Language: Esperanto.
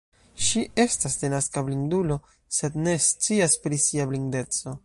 Ŝi estas denaska blindulo, sed ne scias pri sia blindeco.